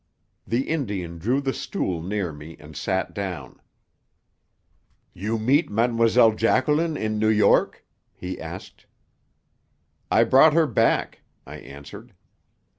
The Indian drew the stool near me and sat down. "You meet Mlle. Jacqueline in New York?" he asked. "I brought her back," I answered.